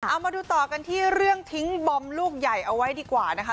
เอามาดูต่อกันที่เรื่องทิ้งบอมลูกใหญ่เอาไว้ดีกว่านะคะ